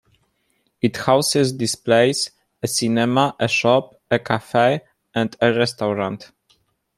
It houses displays, a cinema, a shop, a cafe and a restaurant.